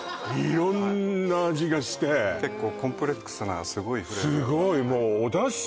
色んな味がして結構コンプレックスがすごいすごいもうおだし